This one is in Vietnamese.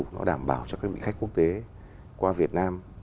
nó đảm bảo cho các vị khách quốc tế qua việt nam